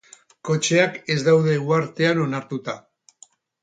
Kotxeak ez daude uhartean onartuta.